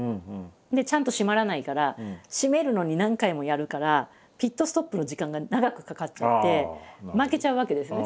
ちゃんと締まらないから締めるのに何回もやるからピットストップの時間が長くかかっちゃって負けちゃうわけですね